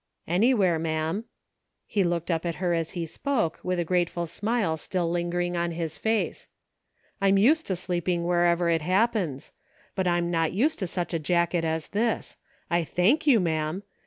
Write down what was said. "*' Anywhere, ma'am ;" he looked up at her as he spoke, with a grateful smile still lingering on his face. "I'm used to sleeping wherever it hap pens ; but I'm not used to such a jacket as this. I thank you, ma'am.